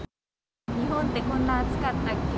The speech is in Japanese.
日本ってこんな暑かったっけ？